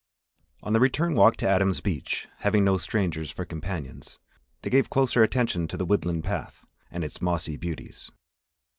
On the return walk to Adams' Beach, having no strangers for companions, they gave closer attention to the woodland path and its mossy beauties.